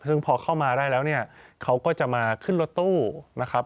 ซึ่งพอเข้ามาได้แล้วเนี่ยเขาก็จะมาขึ้นรถตู้นะครับ